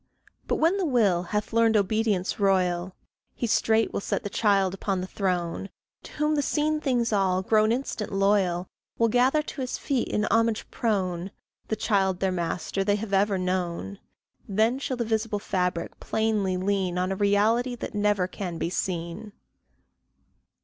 But when the Will hath learned obedience royal, He straight will set the child upon the throne; To whom the seen things all, grown instant loyal, Will gather to his feet, in homage prone The child their master they have ever known; Then shall the visible fabric plainly lean On a Reality that never can be seen.